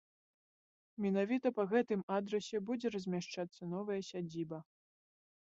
Менавіта па гэтым адрасе будзе размяшчацца новая сядзіба.